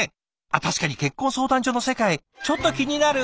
あっ確かに結婚相談所の世界ちょっと気になる。